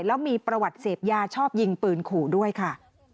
แล้วมีประวัติเสพยาชอบยิงปืนขู่ด้วยค่ะ